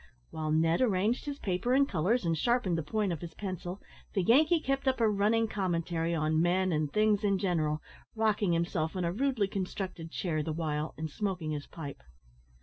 While Ned arranged his paper and colours, and sharpened the point of his pencil, the Yankee kept up a running commentary on men and things in general, rocking himself on a rudely constructed chair the while, and smoking his pipe.